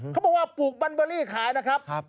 เขาบอกว่าปลูกมันเบอรี่ขายนะครับ